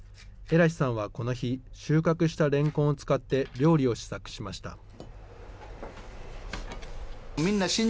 エラヒさんはこの日、収穫したれんこんを使って料理を試作しました。